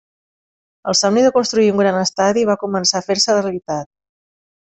El somni de construir un gran estadi va començar a fer-se realitat.